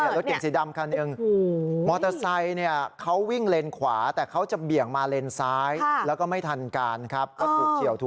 รถเก๋งสีดำคันนึงมอเตอร์ไซค์เนี่ยเขาวิ่งเลนส์ขวาแต่เขาจะเบี่ยงมาเลนส์ซ้าย